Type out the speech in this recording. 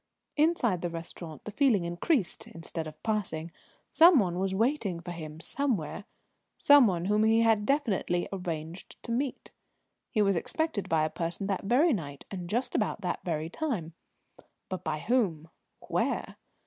Inside the restaurant the feeling increased, instead of passing: some one was waiting for him somewhere some one whom he had definitely arranged to meet. He was expected by a person that very night and just about that very time. But by whom? Where?